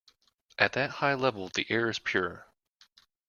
At that high level the air is pure.